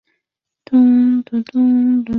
宪法中并未提及国旗长宽比。